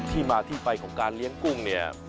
ที่มาที่ไปของการเลี้ยงกุ้งเนี่ย